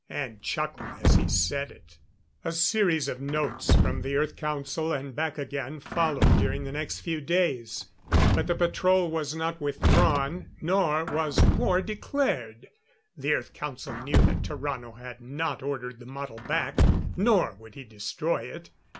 And chuckled as he said it. A series of notes from the Earth Council and back again, followed during the next few days. But the patrol was not withdrawn; nor was war declared. The Earth Council knew that Tarrano had not ordered the model back nor would he destroy it.